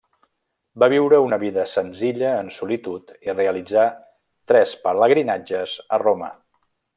Va viure una vida senzilla en solitud i realitzà tres pelegrinatges a Roma.